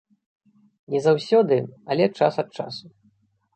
Не заўсёды, але час ад часу.